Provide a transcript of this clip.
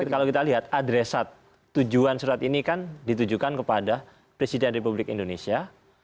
kalau kita lihat adresat tujuan surat ini kan ditujukan kepada presiden republik indonesia